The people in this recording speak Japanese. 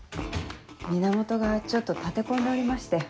源がちょっと立て込んでおりまして。